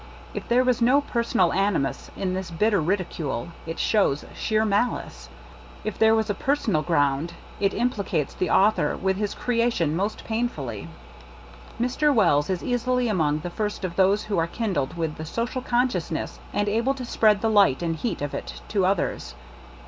If there was no personal animus in this bitter ridi cule, it shows sheer malice. If there was a personal ground, it implicates the author with his creation most pain fully. Mr. Wells is easily among the first of those who are kindled with the so cial consciousness, and able to spread the light and heat of it to others.